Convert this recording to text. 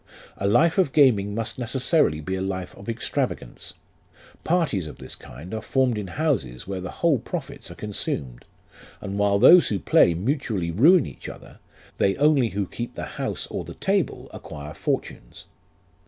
A life of gaming must necessarily be a life of extravagance ; parties of this kind are formed in houses where the whole profits are con sumed, and while those who play mutually ruin each other, they only who keep the house or the table acquire fortunes.